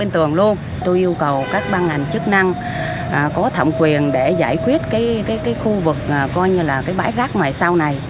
tôi yêu cầu các băng ảnh chức năng có thẩm quyền để giải quyết khu vực bãi rác ngoài sau này